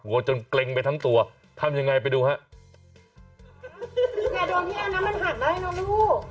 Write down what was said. กลัวจนเกรงไปทั้งตัวทำยังไงไปดูครับ